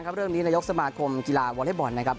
เรื่องนี้นายกสมาคมกีฬาวอเล็กบอลนะครับ